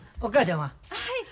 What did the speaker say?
はい。